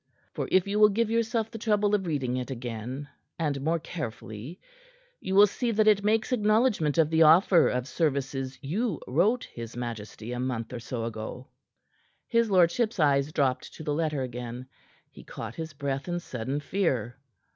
For if you will give yourself the trouble of reading it again and more carefully you will see that it makes acknowledgment of the offer of services you wrote his majesty a month or so ago." His lordship's eyes dropped to the letter again. He caught his breath in sudden fear.